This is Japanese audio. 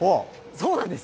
そうなんです。